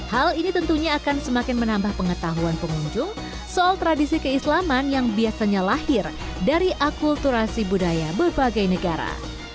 hal ini tentunya akan semakin menambah pengetahuan pengunjung soal tradisi keislaman yang biasanya lahir dari akulturasi budaya berbagai negara